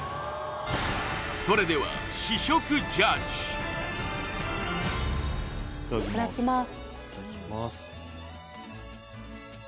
それではいただきます